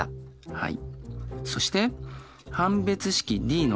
はい。